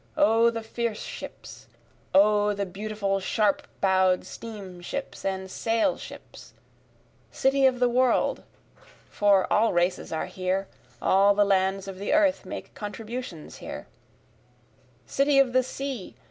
O the fierce ships! O the beautiful sharp bow'd steam ships and sail ships!) City of the world! (for all races are here, All the lands of the earth make contributions here;) City of the sea!